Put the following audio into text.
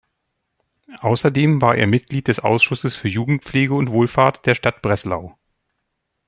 Außerdem war er Mitglied des Ausschusses für Jugendpflege und Wohlfahrt der Stadt Breslau.